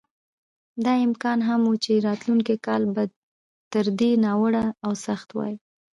دا امکان هم و چې راتلونکی کال به تر دې ناوړه او سخت وای.